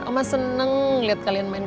mama senang melihat kalian main seperti ini